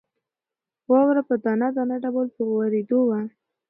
واوره په دانه دانه ډول په وورېدو وه.